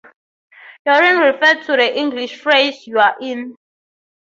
"Yorin" referred to the English phrase "You're in".